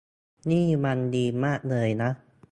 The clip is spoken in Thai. นี่มันดีมากเลยนะ